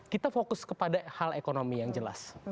kita fokus kepada hal ekonomi yang jelas